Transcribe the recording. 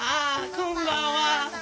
こんばんは。